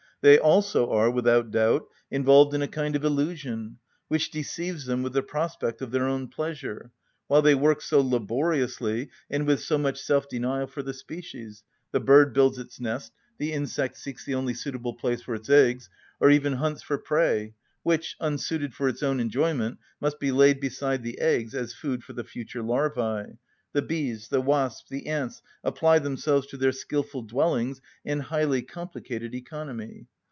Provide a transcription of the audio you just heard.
They also are, without doubt, involved in a kind of illusion, which deceives them with the prospect of their own pleasure, while they work so laboriously and with so much self‐denial for the species, the bird builds its nest, the insect seeks the only suitable place for its eggs, or even hunts for prey which, unsuited for its own enjoyment, must be laid beside the eggs as food for the future larvæ, the bees, the wasps, the ants apply themselves to their skilful dwellings and highly complicated economy.